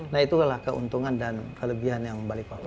nah itulah keuntungan dan kelebihan yang balik bapak